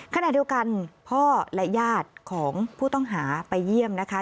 ขณะเดียวกันพ่อและญาติของผู้ต้องหาไปเยี่ยมนะคะ